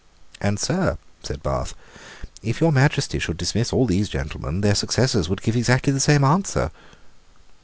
"And, sir," said Bath, "if your Majesty should dismiss all these gentlemen, their successors would give exactly the same answer."